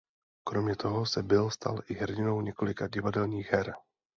Kromě toho se Bill stal i hrdinou několika divadelních her.